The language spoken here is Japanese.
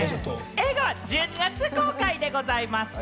映画は１２月公開でございますよ。